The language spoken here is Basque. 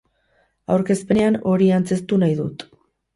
Aurkezpenean hori antzeztu nahi dut.